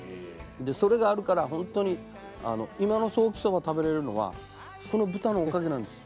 それがあるから本当に今のソーキそば食べれるのはその豚のおかげなんです。